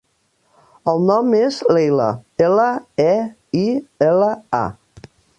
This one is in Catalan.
El nom és Leila: ela, e, i, ela, a.